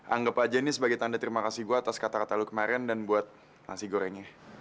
anggap aja ini sebagai tanda terima kasih gue atas kata kata lo kemarin dan buat nasi gorengnya